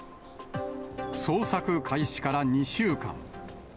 捜索開始から２週間。